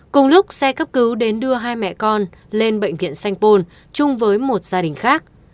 cùng lúc xe cấp cứu đến đưa hai mẹ con lên bệnh viện sanh pôn chung với một gia đình khác